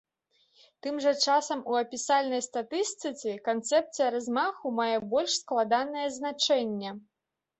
Тым жа часам у апісальнай статыстыцы, канцэпцыя размаху мае больш складанае значэнне.